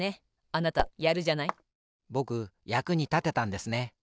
ぼくやくにたてたんですね。